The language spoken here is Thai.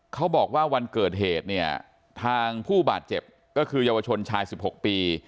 เขาบอกว่าวันเกิดเหตุเนี่ยทางผู้บาดเจ็บก็คือเยาวชนชาย๑๖ปี